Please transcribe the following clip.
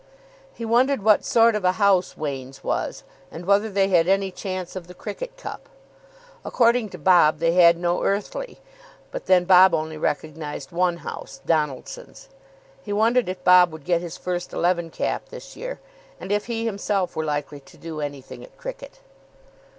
He wondered what sort of a house Wain's was, and whether they had any chance of the cricket cup. According to Bob they had no earthly; but then Bob only recognised one house, Donaldson's. He wondered if Bob would get his first eleven cap this year, and if he himself were likely to do anything at cricket.